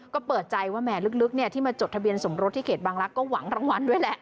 ก็เปิดใจว่าแหมลึกที่มาจดทะเบียนสมรสที่เขตบางลักษณ์ก็หวังรางวัลด้วยแหละ